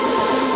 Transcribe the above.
ya gue seneng